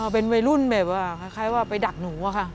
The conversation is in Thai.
เป็นวัยรุ่นแบบว่าคล้ายว่าไปดักหนูอะค่ะ